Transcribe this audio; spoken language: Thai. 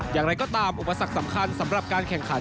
อย่างไรก็ตามอุปสรรคสำคัญสำหรับการแข่งขัน